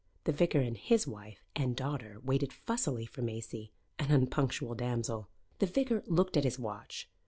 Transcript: The vicar and his wife and daughter waited fussily for Maisie, an unpunctual damsel. The vicar looked at his watch.